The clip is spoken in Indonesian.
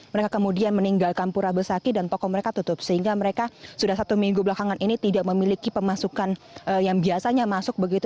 mereka kemudian meninggalkan pura besaki dan toko mereka tutup sehingga mereka sudah satu minggu belakangan ini tidak memiliki pemasukan yang biasanya masuk begitu